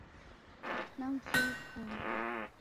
Namfuya wughoma.